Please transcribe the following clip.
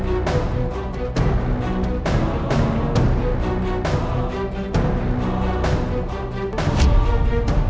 clara apa bahasanya kamu